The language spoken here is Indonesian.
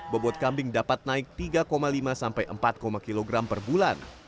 bobot kambing dapat naik tiga lima sampai empat kilogram per bulan